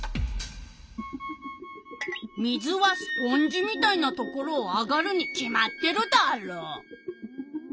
水はスポンジみたいなところを上がるに決まってるダーロ？